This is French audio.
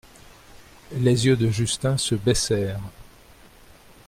Les yeux de Justin se baissèrent.